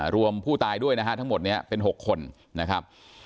รวมผู้ตายด้วยนะฮะทั้งหมดนี้เป็น๖คนนะครับ